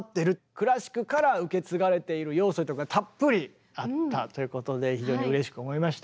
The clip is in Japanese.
クラシックから受け継がれている要素とかたっぷりあったということで非常にうれしく思いました。